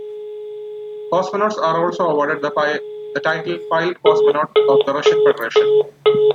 Cosmonauts are also awarded the title Pilot-Cosmonaut of the Russian Federation.